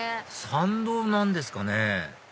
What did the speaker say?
参道なんですかね？